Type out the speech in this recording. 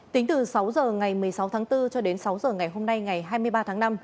tính từ sáu h ngày một mươi sáu tháng bốn cho đến sáu h ngày hôm nay ngày hai mươi ba tháng năm